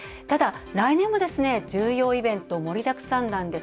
ただ、来年も重要イベント盛りだくさんなんです。